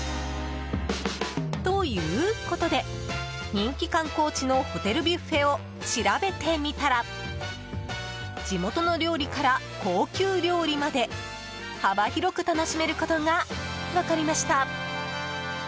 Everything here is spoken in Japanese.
ということで、人気観光地のホテルビュッフェを調べてみたら地元の料理から高級料理まで幅広く楽しめることが分かりました。